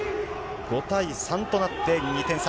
５対３となって２点差。